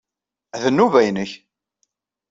D nnuba-nnek.